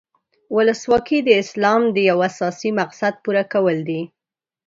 ولسواکي د اسلام د یو اساسي مقصد پوره کول دي.